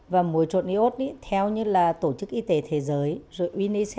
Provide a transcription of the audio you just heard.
và mối trộn iốt theo như là tổ chức y tế thế giới